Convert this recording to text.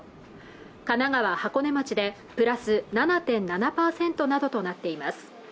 神奈川箱根町でプラス７．７％などとなっています